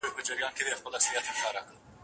کور پاته سی ځان کورنی او ټولنه مو وژغوری.